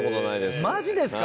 マジですか？